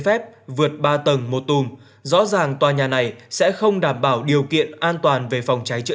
phép vượt ba tầng một tùm rõ ràng tòa nhà này sẽ không đảm bảo điều kiện an toàn về phòng cháy chữa